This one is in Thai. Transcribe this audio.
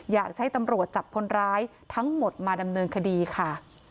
อยากให้ตำรวจจับคนร้ายทั้งหมดมาดำเนินคดีค่ะ